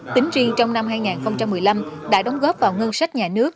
tính riêng trong năm hai nghìn một mươi năm đã đóng góp vào ngân sách nhà nước